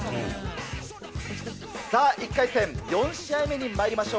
さあ、１回戦、４試合目にまいりましょう。